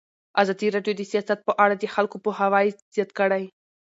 ازادي راډیو د سیاست په اړه د خلکو پوهاوی زیات کړی.